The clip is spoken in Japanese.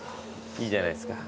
いいじゃないですか。